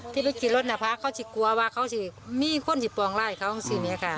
ที่ไปกิจรถหน้าภาพเขาจะกลัวว่าเขาจะมีคนที่ปล่องร่ายเขาสินะค่ะ